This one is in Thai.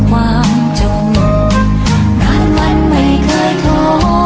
กลับมาดินมีไม่แพ้ค่ะ